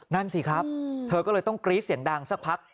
นั่นสิครับเธอก็เลยต้องกรี๊ดเสียงดังสักพัก